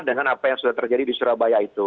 dengan apa yang sudah terjadi di surabaya itu